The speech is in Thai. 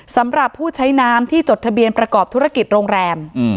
สำหรับผู้ใช้น้ำที่จดทะเบียนประกอบธุรกิจโรงแรม